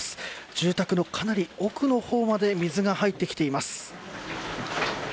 住宅のかなり奥の方まで水が入ってきています。